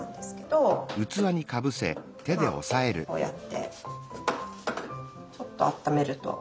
まあこうやってちょっとあっためるとこんな感じ。